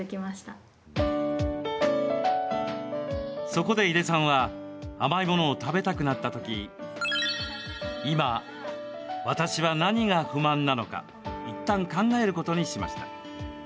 そこで、井出さんは甘いものを食べたくなったとき今、私は何が不満なのかいったん考えることにしました。